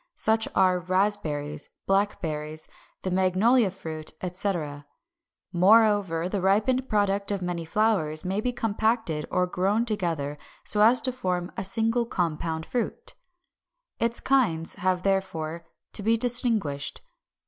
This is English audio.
Such are raspberries, blackberries, the Magnolia fruit, etc. Moreover, the ripened product of many flowers may be compacted or grown together so as to form a single compound fruit. 347. =Its kinds= have therefore to be distinguished.